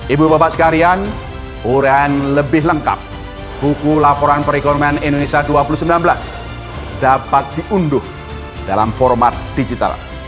ibu bapak sekalian urean lebih lengkap buku laporan perekonomian indonesia dua ribu sembilan belas dapat diunduh dalam format digital